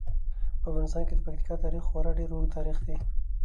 په افغانستان کې د پکتیکا تاریخ خورا ډیر اوږد تاریخ دی.